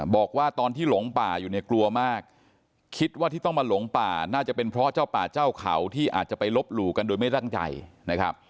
บอกว่าตอนที่หลงป่าอยู่เนี่ยกลัวมากคิดว่าที่ต้องมาหลงป่าน่าจะเป็นเพราะเจ้าป่าเจ้าเขาที่อาจจะไปลบหลู่กันโดยไม่ตั้งใจนะครับ